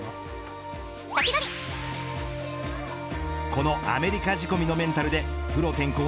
このアメリカ仕込みのメンタルでプロ転向